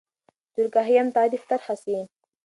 د دورکهايم تعریف طرحه سي.